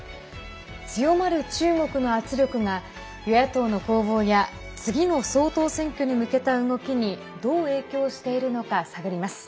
強まる中国の圧力が与野党の攻防や次の総統選挙に向けた動きにどう影響しているのか探ります。